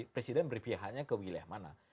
presiden berpihakannya kewilayah mana